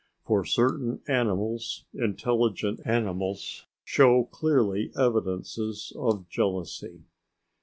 For certain animals, intelligent animals, show clearly evidences of jealousy.